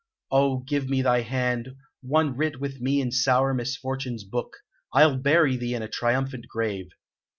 Oh, give me thy hand, one writ with me in sour misfortune's book! I'll bury thee in a triumphant grave."